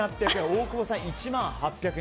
大久保さん、１万８００円。